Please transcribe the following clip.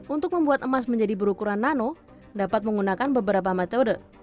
untuk membuat emas menjadi berukuran nano dapat menggunakan beberapa metode